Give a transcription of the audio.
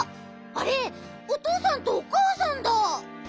あれおとうさんとおかあさんだ。